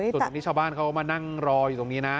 ส่วนตรงนี้ชาวบ้านเขามานั่งรออยู่ตรงนี้นะ